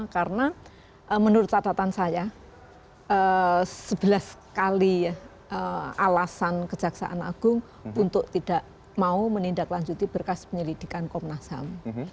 karena menurut catatan saya sebelas kali alasan kejaksaan agung untuk tidak mau menindaklanjuti berkas penyelidikan komnas ham